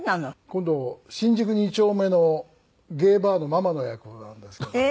今度新宿二丁目のゲイバーのママの役なんですけども。